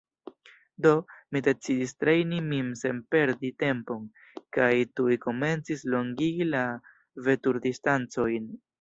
Do, mi decidis trejni min sen perdi tempon kaj tuj komencis longigi la veturdistancojn.